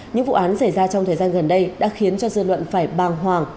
những vụ án xảy ra trong thời gian gần đây đã khiến cho dư luận phải bàng hoàng